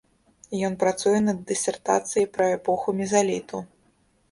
Ён працуе над дысертацыяй пра эпоху мезаліту.